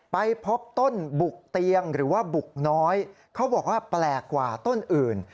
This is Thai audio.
ไปพบต้นบุกเตียงหรือว่าบุกน้อยเขาบอกว่าแปลกกว่าต้นอื่น